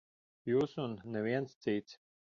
Jūs un neviens cits.